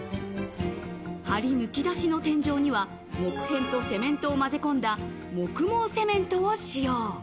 梁むき出しの天井には、木片とセメントをまぜ込んだ木毛セメントを使用。